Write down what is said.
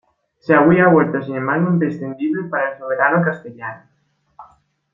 Se había vuelto sin embargo imprescindible para el soberano castellano.